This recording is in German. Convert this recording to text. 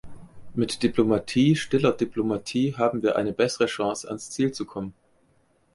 Mit Diplomatie stiller Diplomatie haben wir eine bessere Chance, ans Ziel zu kommen.